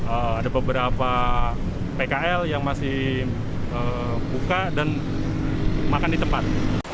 ada beberapa pkl yang masih buka dan makan di tempat